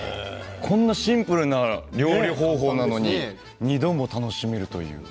こんなシンプルな料理方法なのに２度も楽しめるという。